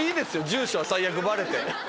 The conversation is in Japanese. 住所は最悪バレて。